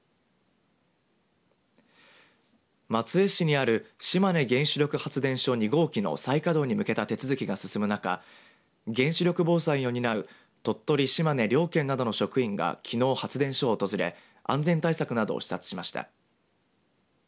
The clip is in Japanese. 松江市にある島根原子力発電所２号機の再稼働に向けた手続きが進む中原子力防災を担う鳥取島根両県などの職員がきのう、発電所を訪れ安全対策などを視察しました。